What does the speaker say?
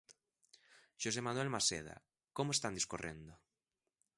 Xosé Manuel Maseda, como están discorrendo?